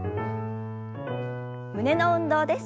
胸の運動です。